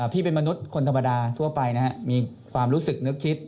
พี่เป็นมนุษย์คนธรรมดาทั่วไปมีความรู้สึกนึกคิด